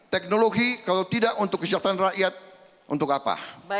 teknologi kalau tidak untuk kesejahteraan rakyat untuk apa